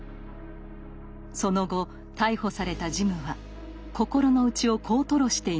その後逮捕されたジムは心の内をこう吐露しています。